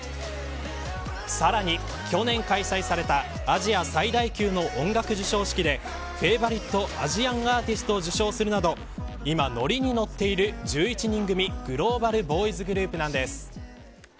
さらに去年開催されたアジア最大級の音楽授賞式でＦＡＶＯＲＩＴＥＡＳＩＡＮＡＲＴＩＳＴを受賞するなど今、のりにのっている１１人組グローバルボーイズグループなんです。